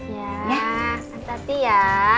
ya mantap ya